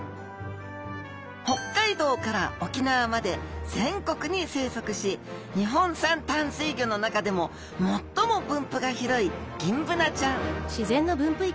北海道から沖縄まで全国に生息し日本産淡水魚の中でも最も分布が広いギンブナちゃん。